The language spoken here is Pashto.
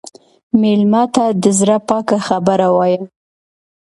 مېلمه ته د زړه پاکه خبره وایه.